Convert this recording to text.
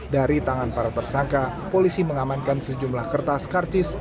dari tangan para tersangka polisi mengamankan sejumlah kertas karcis